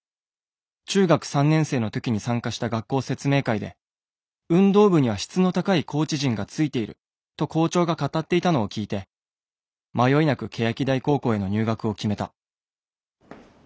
中学３年生の時に参加した学校説明会で『運動部には質の高いコーチ陣がついている』と校長が語っていたのを聞いて迷いなく欅台高校への入学を決めた。